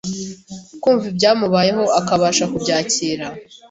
kumva ibyamubayeho akabasha kubyakira